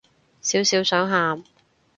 少少想喊